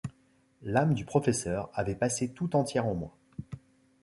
L’âme du professeur avait passé tout entière en moi.